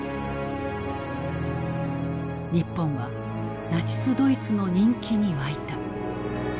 日本はナチスドイツの人気に沸いた。